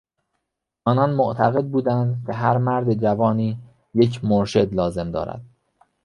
آنان معتقد بودند که هر مرد جوانی یک مرشد لازم دارد.